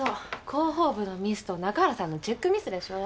広報部のミスと中原さんのチェックミスでしょ。